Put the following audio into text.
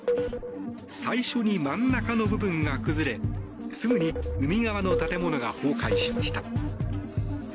最初に真ん中の部分が崩れすぐに海側の建物が崩壊しました。